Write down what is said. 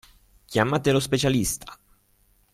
Chiamate lo specialista!